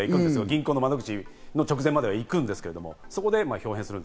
銀行の窓口の直前まではいくんですけど、そこで豹変する。